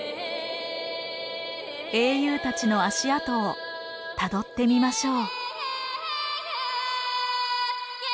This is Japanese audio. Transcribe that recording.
英雄たちの足跡をたどってみましょう。